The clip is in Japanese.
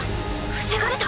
防がれた？